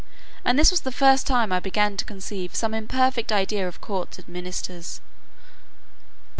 And this was the first time I began to conceive some imperfect idea of courts and ministers.